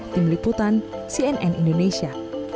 tim liputan cnn indonesia